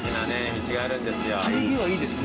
道があるんですよ。